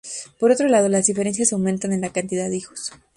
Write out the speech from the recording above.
Por otro lado, las diferencias aumentan con la cantidad de hijos.